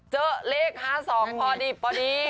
เจอเลข๕๒พอดีพอดี